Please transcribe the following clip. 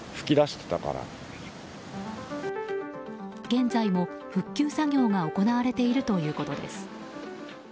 現在も復旧作業が行われているということです。